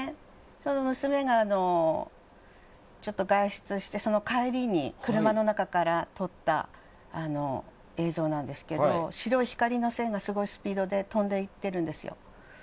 ちょうど娘が外出してその帰りに車の中から撮った映像なんですけど白い光の線がすごいスピードで飛んでいっているんですよ。